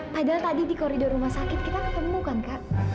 padahal tadi di koridor rumah sakit kita ketemu kan kak